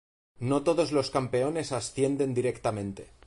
No todos los campeones ascienden directamente.